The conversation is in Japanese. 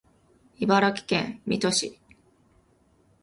茨城県水戸市